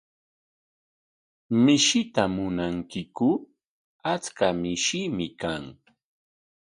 ¿Mishita munankiku? Achka mishiimi kan.